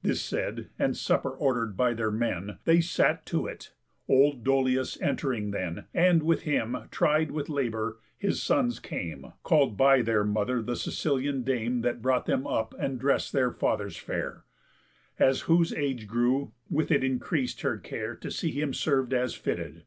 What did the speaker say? This said, and supper order'd by their men, They sat to it; old Dolius ent'ring then, And with him, tried with labour, his sons came, Call'd by their mother, the Sicilian dame That brought them up and dress'd their father's fare, As whose age grew, with it increas'd her care To see him serv'd as fitted.